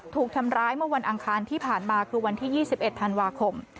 ถูกทำร้ายเมื่อวันอังคารที่ผ่านมาคือวันที่๒๑ธันวาคม